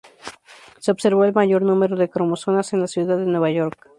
Se observó el mayor número de cromosomas en la ciudad de Nueva York.